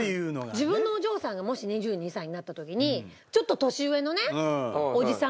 自分のお嬢さんがもし２２歳になった時にちょっと年上のねおじさんから。